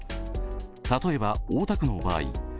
例えば大田区の場合。